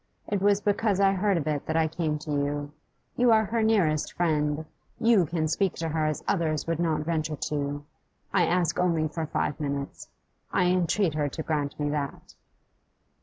It was because I heard of it that I came to you. You are her nearest friend; you can speak to her as others would not venture to. I ask only for five minutes. I entreat her to grant me that.